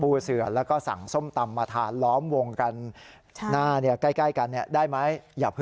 เสือแล้วก็สั่งส้มตำมาทานล้อมวงกันหน้าเนี่ยใกล้กันเนี่ยได้ไหม